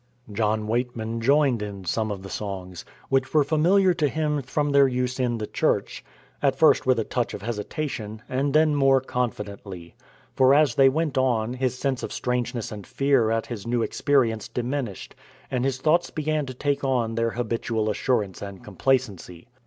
John Weightman joined in some of the songs which were familiar to him from their use in the church at first with a touch of hesitation, and then more confidently. For as they went on his sense of strangeness and fear at his new experience diminished, and his thoughts began to take on their habitual assurance and complacency.